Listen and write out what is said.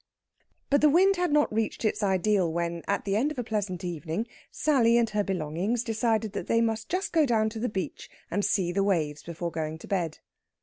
But the wind had not reached its ideal when, at the end of a pleasant evening, Sally and her belongings decided that they must just go down to the beach and see the waves before going to bed.